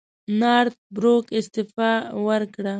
نارت بروک استعفی وکړه.